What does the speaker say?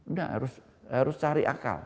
nggak harus cari akal